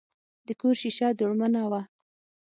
د کور شیشه دوړمنه وه.